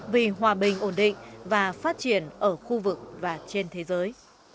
vì hòa bình ổn định và phát triển ở khu vực và trên thế giới